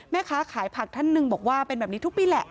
แม่ค้าขายผักท่านหนึ่งบอกว่าเป็นแบบนี้ทุกปีแหละ